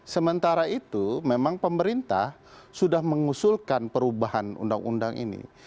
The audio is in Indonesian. sementara itu memang pemerintah sudah mengusulkan perubahan undang undang ini